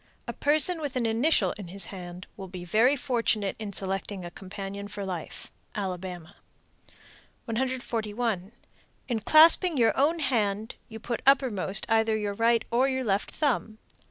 A person with an initial in his hand will be very fortunate in selecting a companion for life. Alabama. 141. In clasping your own hand, you put uppermost either your right or your left thumb.